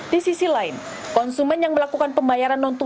di sisi lain konsumen yang melakukan pembayaran non tunai